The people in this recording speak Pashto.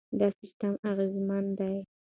دا سیستم اغېزمن دی.